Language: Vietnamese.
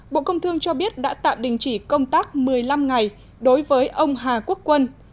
bộ công thương cho biết đã tạm đình chỉ công tác một mươi năm ngày đối với ông hà quốc quân